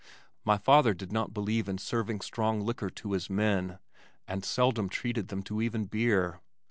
My father did not believe in serving strong liquor to his men, and seldom treated them to even beer.